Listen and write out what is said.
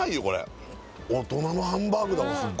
これ大人のハンバーグだもん